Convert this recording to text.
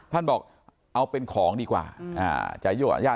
ท่านบอกเอาเป็นของดีกว่าจ่าย